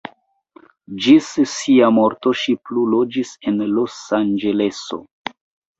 Ĝis sia morto ŝi plu loĝis en Los-Anĝeleso.